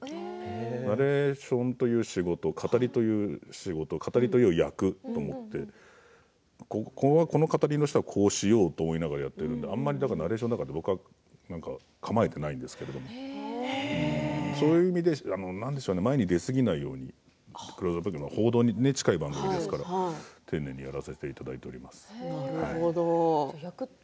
流派みたいなものがありますが僕は一緒だと思っていてナレーションという仕事語りという仕事語りという役と思っていてこの語りの人はこうしようと思ってやっているのでナレーションも構えていないんですけれどそういう意味で前に出すぎないように「クローズアップ現代」は報道に近いものですから丁寧にやらせていただいています。